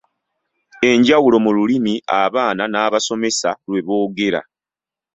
Enjawulo mu lulimi abaana n’abasomesa lwe boogera.